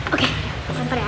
oke lempar ya